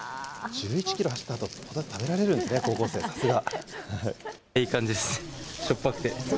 １１キロ走ったあと、ホタテ、食べられるんですね、高校生、さすが。